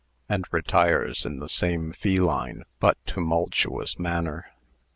and retires in the same feline but tumultuous manner.